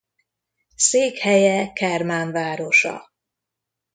Székhelye Kermán városa.